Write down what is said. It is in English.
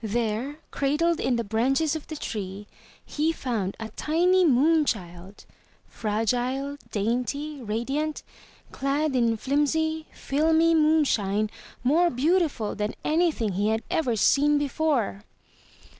There, cradled in the branches of the tree, he found a tiny moon child, fragile, dainty, radiant, clad in flimsy, filmy moon shine, more beautiful than anything he had ever seen before.